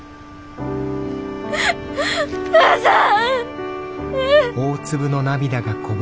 お母さん。